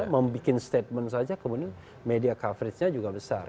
membuat statement saja kemudian media coverage nya juga besar